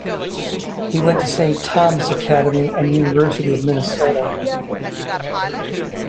He went to Saint Thomas Academy and University of Minnesota.